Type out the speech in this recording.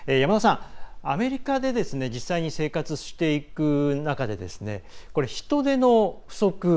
アメリカで実際に生活していく中で人手の不足